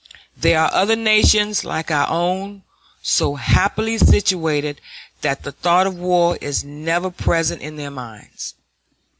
There are other nations, like our own, so happily situated that the thought of war is never present to their minds.